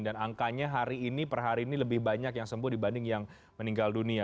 dan angkanya hari ini per hari ini lebih banyak yang sembuh dibanding yang meninggal dunia